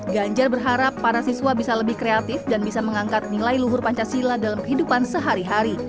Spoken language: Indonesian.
ganjar berharap para siswa bisa lebih kreatif dan bisa mengangkat nilai luhur pancasila dalam kehidupan sehari hari